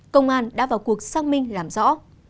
công an đã vào cuộc xác minh làm rõ